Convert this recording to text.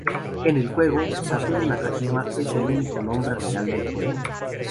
En el juego, Satoru Nakajima es el único nombre real del juego.